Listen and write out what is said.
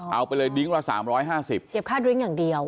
เอาไปเลยดริ้งรอสามร้อยห้าสิบเก็บค่าดริ้งอย่างเดียว